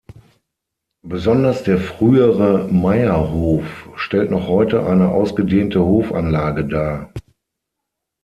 Besonders der frühere Meierhof stellt noch heute eine ausgedehnte Hofanlage dar.